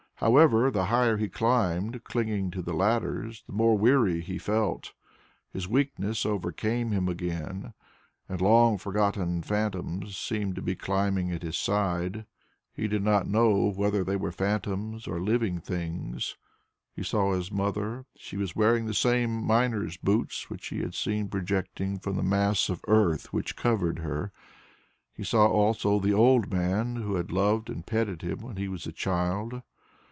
However, the higher he climbed, clinging to the ladders, the more weary he felt. His weakness overcame him again, and long forgotten phantoms seemed to be climbing at his side he did not know whether they were phantoms or living beings. He saw his mother; she was wearing the same miner's boots which he had seen projecting from the mass of earth which covered her. He saw also the old man who had loved and petted him when he was a child.